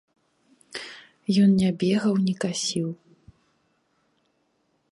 Ён не бегаў, не касіў.